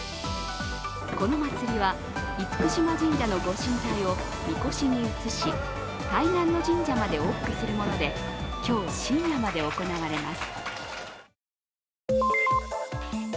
この祭りは厳島神社の御神体を神輿に移し、対岸の神社まで往復することで今日、深夜まで行われます。